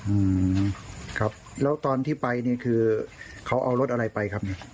อืมครับแล้วตอนที่ไปเนี่ยคือเขาเอารถอะไรไปครับเนี่ย